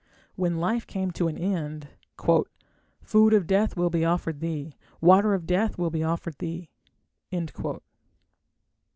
When life came to an end Food of death will be offered thee... Water of death will be offered thee...